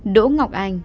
đỗ ngọc anh